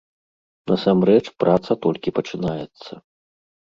Насамрэч, праца толькі пачынаецца.